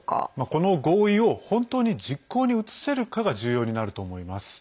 この合意を本当に実行に移せるかが重要になると思います。